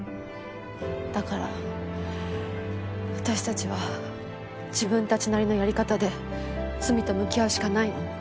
だから私たちは自分たちなりのやり方で罪と向き合うしかないの。